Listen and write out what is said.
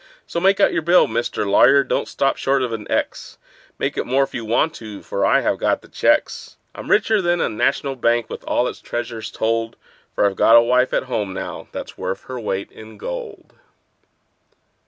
So make out your bill, Mr. Lawyer: don't stop short of an X; Make it more if you want to, for I have got the checks. I'm richer than a National Bank, with all its treasures told, For I've got a wife at home now that's worth her weight in gold.